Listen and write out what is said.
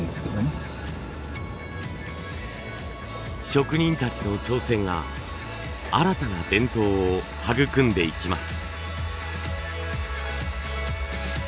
職人たちの挑戦が新たな伝統を育んでいきます。